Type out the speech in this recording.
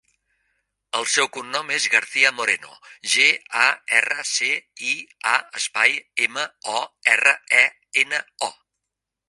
El seu cognom és Garcia Moreno: ge, a, erra, ce, i, a, espai, ema, o, erra, e, ena, o.